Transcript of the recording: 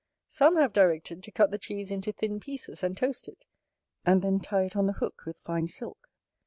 Some have directed to cut the cheese into thin pieces, and toast it; and then tie it on the hook with fine silk.